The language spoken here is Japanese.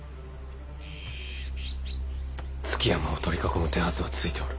築山を取り囲む手はずはついておる。